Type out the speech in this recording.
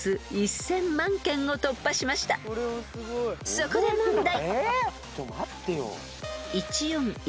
［そこで問題］